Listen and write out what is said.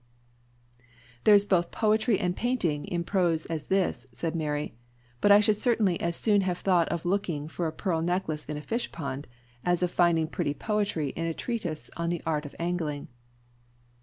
'" "There is both poetry and painting in such prose as this," said Mary; "but I should certainly as soon have thought of looking for a pearl necklace in a fishpond as of finding pretty poetry in a treatise upon the art of angling."